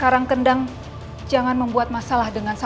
abah percaya gustael bendara